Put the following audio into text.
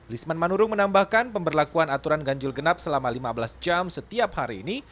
lisman manurung menambahkan pemberlakuan aturan ganjil genap selama lima belas jam setiap hari ini